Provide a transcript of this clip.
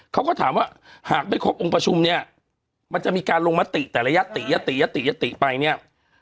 เขาก็ถามว่าหากไม่คบองค์ประชุมเนี้ยมันจะมีการลงมาตี่แต่ระยะตี่ยะตี่ยะตี่ยะตี่ไปเนี้ย